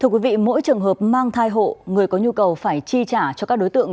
thưa quý vị mỗi trường hợp mang thai hộ người có nhu cầu phải chi trả cho các đối tượng